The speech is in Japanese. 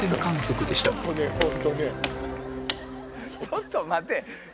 ちょっと待て。